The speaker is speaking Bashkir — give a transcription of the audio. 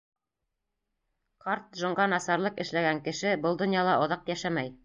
Ҡарт Джонға насарлыҡ эшләгән кеше был донъяла оҙаҡ йәшәмәй.